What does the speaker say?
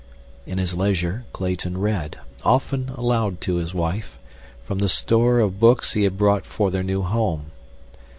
In his leisure Clayton read, often aloud to his wife, from the store of books he had brought for their new home.